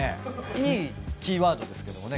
いいキーワードですけどもね